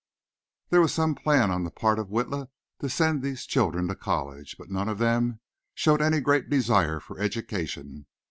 There was some plan on the part of Witla to send these children to college, but none of them showed any great desire for education.